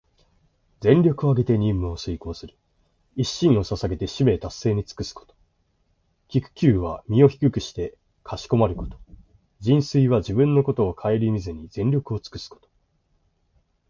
全力をあげて任務を遂行する、一身を捧げて使命達成に尽くすこと。「鞠躬」は身を低くしてかしこまること。「尽瘁」は自分のことをかえりみずに、全力をつくすこと。